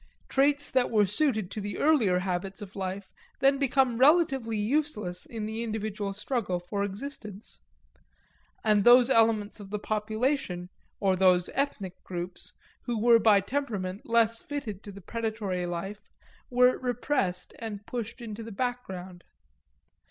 Traits that were suited to the earlier habits of life then became relatively useless in the individual struggle for existence. And those elements of the population, or those ethnic groups, which were by temperament less fitted to the predatory life were repressed and pushed into the background.